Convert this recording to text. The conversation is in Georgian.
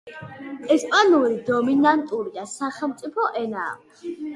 ესპანური დომინანტური და სახელმწიფო ენაა.